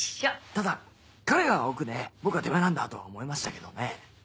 ただ彼が奥で僕は手前なんだとは思いましたけどね。